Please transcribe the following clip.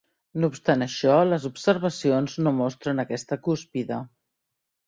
No obstant això, les observacions no mostren aquesta cúspide.